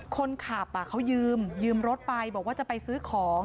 คนขับเขายืมยืมรถไปบอกว่าจะไปซื้อของ